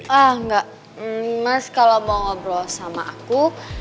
mas kalau mau ngobrol sama aku